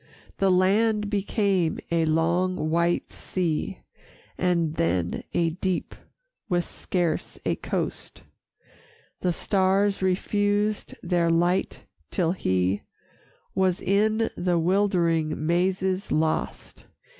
The land became a long white sea, And then a deep with scarce a coast, The stars refused their light, till he Was in the wildering mazes lost.